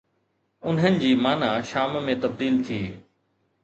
انهن جي معني شام ۾ تبديل ٿي.